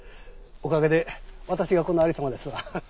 おかげで私がこの有り様ですわ。